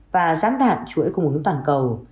và giám đạn chuỗi cung ứng toàn cầu